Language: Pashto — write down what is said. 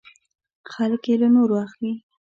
خلک یې له نورو اخلي .